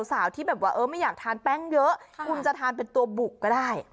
สาวที่แบบว่าเออไม่อยากทานแป้งเยอะคุณจะทานเป็นตัวบุกก็ได้